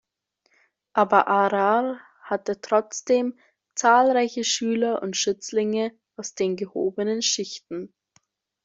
Aber Ahrar hatte trotzdem zahlreiche Schüler und Schützlinge aus den gehobenen Schichten.